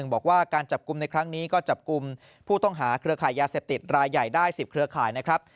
บอกว่าการจับกลุ่มในครั้งนี้ก็จับกลุ่มผู้ต้องหาเครือขายยาเสพติดรายใหญ่ได้๑๐เครือข่ายนะครับ